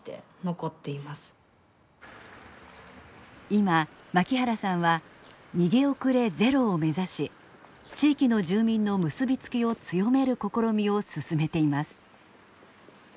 今槙原さんは「逃げ遅れゼロ」を目指し地域の住民の結び付きを強める試みを進めています。